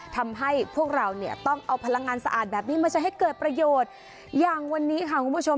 ทำให้พวกเราเนี่ยต้องเอาพลังงานสะอาดแบบนี้มาใช้ให้เกิดประโยชน์อย่างวันนี้ค่ะคุณผู้ชม